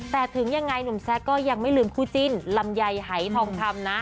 แต่ถึงยังไงหนุ่มแซคก็ยังไม่ลืมคู่จิ้นลำไยหายทองคำนะ